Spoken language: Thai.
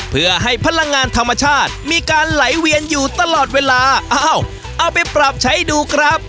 เพื่อให้พลังงานธรรมชาติมีการไหลเวียนอยู่ตลอดเวลาอ้าวเอาไปปรับใช้ดูครับ